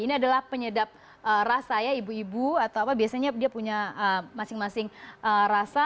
ini adalah penyedap rasa ya ibu ibu atau apa biasanya dia punya masing masing rasa